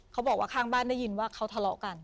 เขาบอกว่าข้างบ้านได้ยินว่าเขาทะเลาะกัน